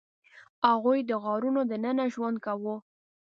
هغوی د غارونو دننه ژوند کاوه.